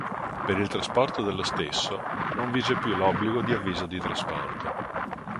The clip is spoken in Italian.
Per il trasporto dello stesso, non vige più l'obbligo di avviso di trasporto.